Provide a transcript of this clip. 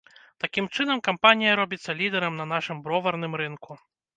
Такім чынам, кампанія робіцца лідарам на нашым броварным рынку.